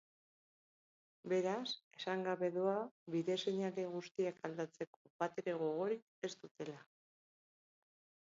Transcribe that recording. Beraz, esan gabe doa bide-seinale guztiak aldatzeko batere gogorik ez dutela.